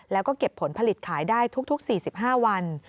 แล้วก็เก็บผลผลิตขายได้ทุก๔๕วัน